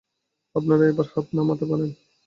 আপনারা এবার হাত নামাতে পারেন।